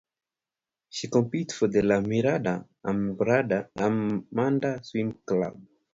She competes for the La Mirada Armada swim club.